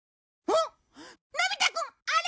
のび太くんあれ！